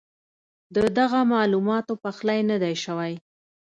ددغه معلوماتو پخلی نۀ دی شوی